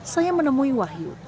saya menemui wahyu